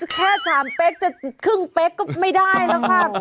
แค่สามเป็กจะครึ่งเป็กก็ไม่ได้แล้วค่ะอุตา